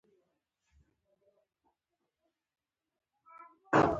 د خبرو پر وخت د سترګو اړیکه وساتئ